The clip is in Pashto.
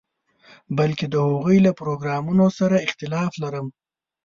بلکې د هغوی له پروګرامونو سره اختلاف لرم.